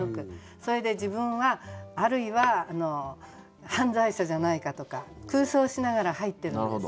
それで自分はあるいは犯罪者じゃないかとか空想しながら入ってるんです。